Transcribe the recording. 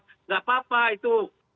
tidak apa apa itu